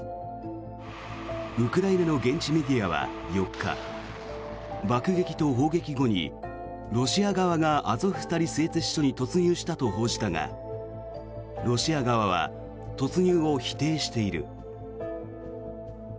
ウクライナの現地メディアは４日爆撃と砲撃後にロシア側がアゾフスタリ製鉄所に突入したと報じたがロシア側は突入を否定している。